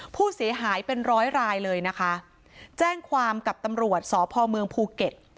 ผู้เสียหายเป็นร้อยรายเลยนะคะแจ้งความกับตำรวจสพเมืองภูเก็ต